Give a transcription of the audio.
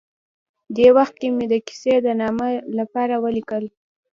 دې وخت کې مې د کیسې د نامه لپاره ولیکل.